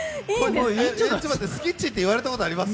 ちょっと待って、スキッチって言われたことあります？